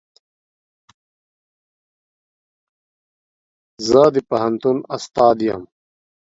زه د پوهنتون استاد يم.